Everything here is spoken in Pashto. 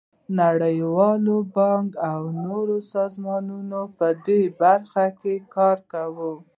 نړیوال بانک او نور سازمانونه په دې برخه کې کار کوي.